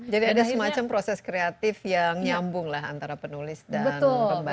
jadi ada semacam proses kreatif yang nyambunglah antara penulis dan pembaca